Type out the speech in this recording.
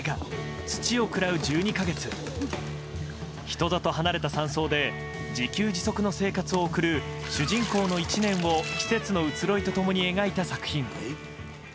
人里離れた山荘で自給自足の生活を送る主人公の１年を季節の移ろいと共に描いた作品。